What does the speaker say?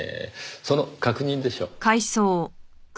その確認でしょう。